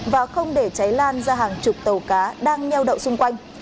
và không để cháy lan ra hàng chục tàu cá đang nheo đậu xung quanh